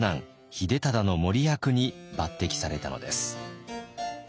秀忠の傅役に抜てきされたのです。